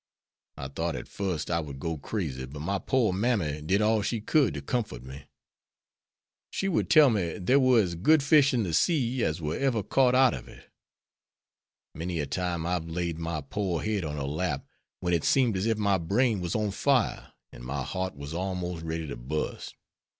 I thought at first I would go crazy, but my poor mammy did all she could to comfort me. She would tell me there were as good fish in the sea as were ever caught out of it. Many a time I've laid my poor head on her lap, when it seemed as if my brain was on fire and my heart was almost ready to burst.